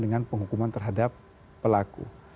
dengan penghukuman terhadap pelaku